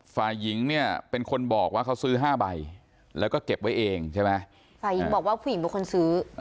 ฝ่ายหญิงเนี่ยเป็นคนบอกว่าเขาซื้อ๕ใบแล้วก็เก็บไว้เองใช่ไหมฝ่ายหญิงบอกว่าผู้หญิงเป็นคนซื้อ